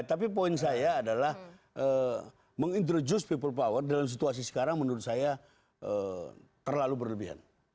tapi poin saya adalah mengintroduce people power dalam situasi sekarang menurut saya terlalu berlebihan